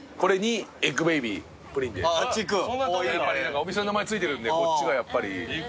お店の名前付いてるんでこっちがやっぱり。